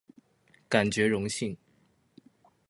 感覺榮幸